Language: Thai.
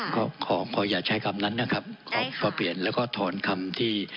ก็ขอขออย่าใช้คำนั้นนะครับขอเปลี่ยนแล้วก็ถอนคำที่